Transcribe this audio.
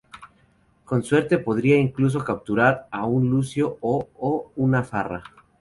Con suerte, podrían incluso capturar un lucio o o un farra.